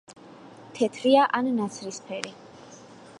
თეთრია ან ნაცრისფერი.